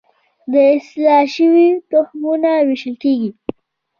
د اصلاح شویو تخمونو ویشل کیږي